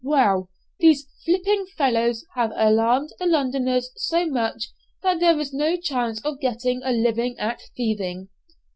"Well, these 'flimping' fellows have alarmed the Londoners so much that there is no chance of getting a living at thieving."